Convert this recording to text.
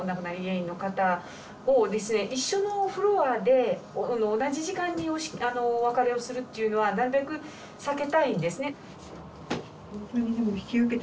一緒のフロアで同じ時間にお別れをするというのはなるべく避けたいんですね。